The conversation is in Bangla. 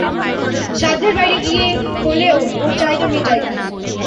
সাধ্যের বাইরে গিয়ে হলেও ওর চাহিদা মেটাই।